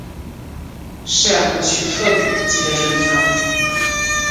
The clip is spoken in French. Cher monsieur Fogg… dit la jeune femme.